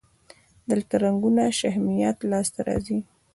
دلته رنګونه او شهمیات لاسته راځي.